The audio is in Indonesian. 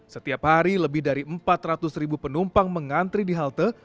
setiap hari lebih dari empat ratus ribu penumpang mengantri di halte